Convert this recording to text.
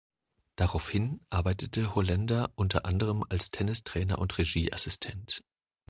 Daraufhin arbeitete Holender unter anderem als Tennistrainer und Regieassistent.